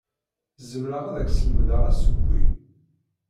Zemreɣ ad ak-slemdeɣ asewwi.